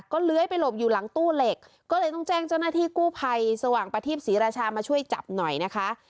เลื้อยไปหลบอยู่หลังตู้เหล็กก็เลยต้องแจ้งเจ้าหน้าที่กู้ภัยสว่างประทีปศรีราชามาช่วยจับหน่อยนะคะ